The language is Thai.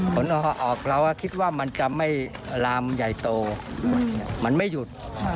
ผลออกเราก็คิดว่ามันจะไม่ลามใหญ่โตมันไม่หยุด